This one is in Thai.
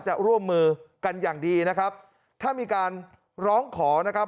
จะร่วมมือกันอย่างดีนะครับถ้ามีการร้องขอนะครับ